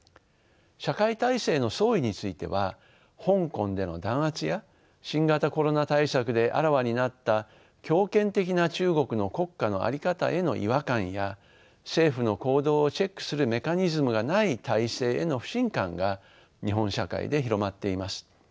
社会体制の相違については香港での弾圧や新型コロナ対策であらわになった強権的な中国の国家の在り方への違和感や政府の行動をチェックするメカニズムがない体制への不信感が日本社会で広まっています。